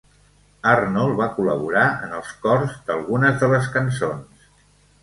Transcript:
Arnold va col·laborar en els cors d'algunes de les cançons.